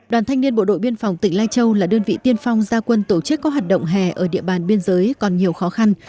đoàn thanh niên bộ đội biên phòng tỉnh lai châu là đơn vị tiên phong gia quân tổ chức các hoạt động hè ở địa bàn biên giới còn nhiều khó khăn